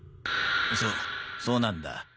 そそうなんだ。